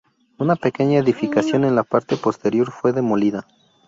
Una pequeña edificación en la parte posterior fue demolida.